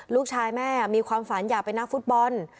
ลูกชายแม่มีความฝันอยากเป็นนักฟุตบอล